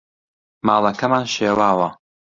ماڵەکەمان شێواوە.